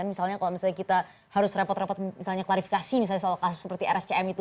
misalnya kalau misalnya kita harus repot repot misalnya klarifikasi misalnya soal kasus seperti rscm itu